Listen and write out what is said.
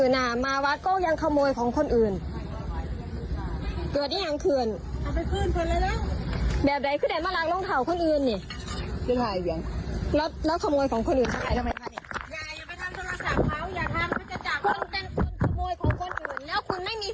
หลักฐานก็มีเนี่ยช่างถ่ายภาพทั้งหมด